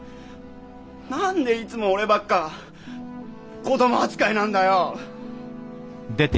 何でいつも俺ばっか子供扱いなんだよ。